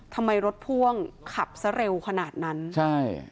ทำไมรถพ่วงขับซะเร็วขนาดนั้นใช่